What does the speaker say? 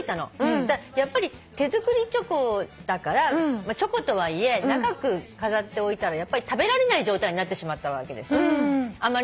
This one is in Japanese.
やっぱり手作りチョコだからチョコとはいえ長く飾っておいたら食べられない状態になってしまったわけです。